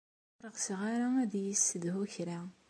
Ur ɣseɣ ara ad iyi-yessedhu kra.